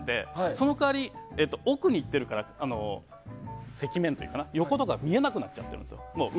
その代わり奥にいっているから横とか見えなくなっちゃってるんです。